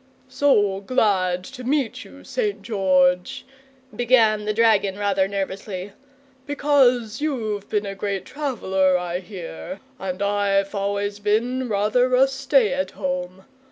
"So glad to meet you, St. George," began the dragon rather nervously, "because you've been a great traveller, I hear, and I've always been rather a stay at home.